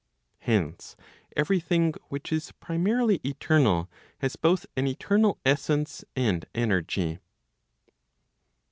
Hence every thing which is primarily eternal, has both an eternal essence and energy.